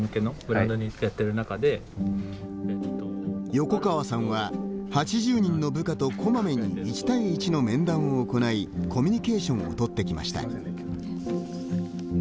横川さんは、８０人の部下とこまめに１対１の面談を行いコミュニケーションを取ってきました。